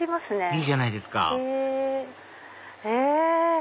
いいじゃないですかへぇ！